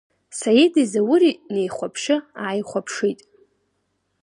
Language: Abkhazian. Саидеи Заури неихәаԥшы-ааихәаԥшит.